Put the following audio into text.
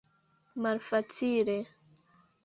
malfacile